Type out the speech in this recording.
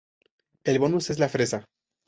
El bonus es la fresa.